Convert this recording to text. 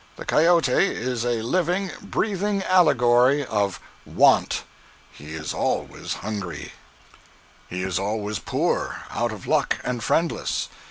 The cayote is a living, breathing allegory of Want. He is always hungry. He is always poor, out of luck and friendless.